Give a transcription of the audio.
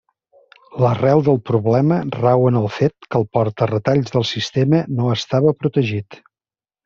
L'arrel del problema rau en el fet que el porta-retalls del sistema no estava protegit.